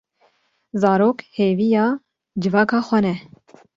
Zarok hêviya civaka xwe ne.